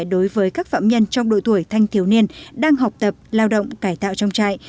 đối với các phạm nhân trong đội tuổi thanh thiếu niên đang học tập lao động cải tạo trong trại